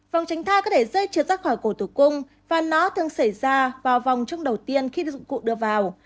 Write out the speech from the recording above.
vòng tránh tha có thể rơi trượt ra khỏi cổ tử cung và nó thường xảy ra vào vòng chung đầu tiên khi dụng cụ đưa vào